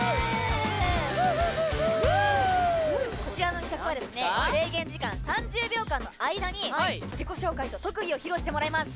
こちらの企画は制限時間３０秒間の間に自己紹介と特技を披露していただきます。